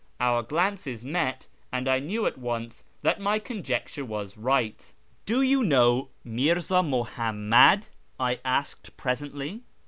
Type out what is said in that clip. jOur glances met, and I knew at once that my conjecture was right. " Do you know Mirza Muhammad ?" I asked presently.